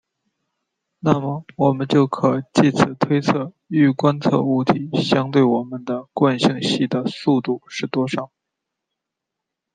那么我们就可藉此推测欲观测物体相对于我们的惯性系的速度是多少。